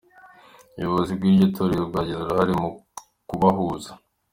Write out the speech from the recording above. Ubuyobozi bw'iryo torero bwagize uruhare mu kubahuza.